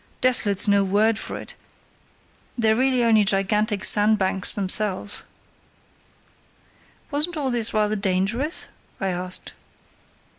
"Desolate's no word for it; they're really only gigantic sandbanks themselves." "Wasn't all this rather dangerous?" I asked.